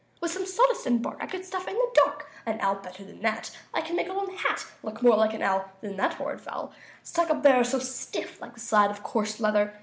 "With some sawdust and bark I could stuff in the dark An owl better than that. I could make an old hat Look more like an owl Than that horrid fowl, Stuck up there so stiff like a side of coarse leather.